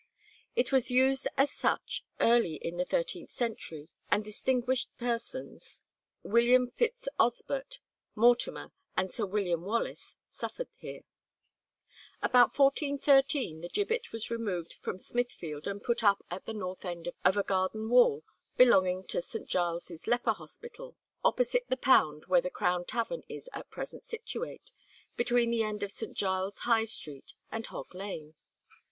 It was used as such early in the thirteenth century, and distinguished persons, William Fitzosbert, Mortimer, and Sir William Wallace suffered here. About 1413 the gibbet was removed from Smithfield and put up at the north end of a garden wall belonging to St. Giles's Leper Hospital, "opposite the Pound where the Crown Tavern is at present situate, between the end of St. Giles High Street and Hog Lane."